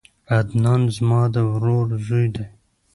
عدنان زما د ورور زوی دی